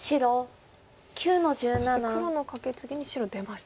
そして黒のカケツギに白出ました。